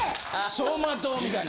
走馬灯みたいな。